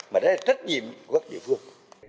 mà đấy là trách nhiệm của các địa phương